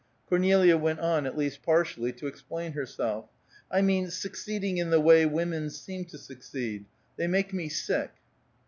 Cornelia went on, at least partially, to explain herself. "I mean, succeeding in the way women seem to succeed. They make me sick!"